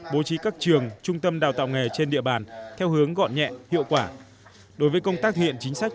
bố trí các trường trung tâm đào tạo nghề trên địa bàn theo hướng gọn nhẹ hiệu quả